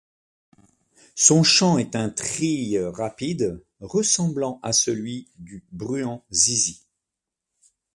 Son chant est un trille rapide, ressemblant à celui du Bruant zizi.